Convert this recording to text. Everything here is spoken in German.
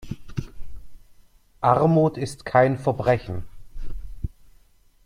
Armut ist kein Verbrechen.